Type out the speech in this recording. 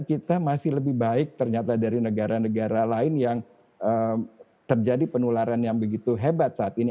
kita masih lebih baik ternyata dari negara negara lain yang terjadi penularan yang begitu hebat saat ini